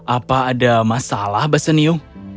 apa ada masalah bassanio